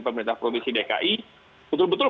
pemerintah provinsi dki betul betul